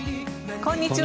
こんにちは。